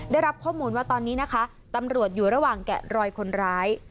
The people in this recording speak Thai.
ได้รับข้อมูลว่าตอนนี้นะคะตำรวจอยู่ระหว่างแกะรอยคนร้าย